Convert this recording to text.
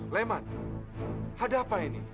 leman ada apa ini